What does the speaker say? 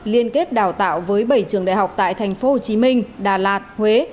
liên kết đào tạo với bảy trường đại học tại tp hcm đà lạt huế